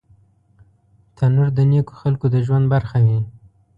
تنور د نیکو خلکو د ژوند برخه وه